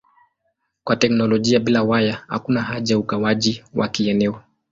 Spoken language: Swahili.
Kwa teknolojia bila waya hakuna haja ya ugawaji wa kieneo.